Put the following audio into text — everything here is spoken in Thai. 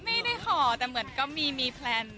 ไม่ได้ขอแต่เหมือนก็มีแพลน